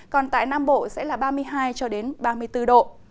còn tại nam bộ sẽ là ba mươi hai ba mươi bốn độ